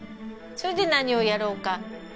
それで何をやろうか。